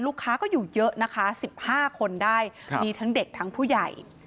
ลูกค้าก็อยู่เยอะนะคะ๑๕คนได้มีทั้งเด็กทั้งผู้ใหญ่